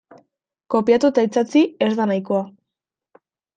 Kopiatu eta itsatsi ez da nahikoa.